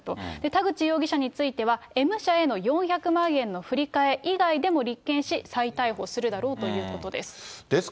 田口容疑者についてはＭ社への４００万円の振り替え以外でも立件し、再逮捕するだろうということです。